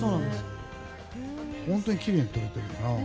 本当にきれいに撮れてるな。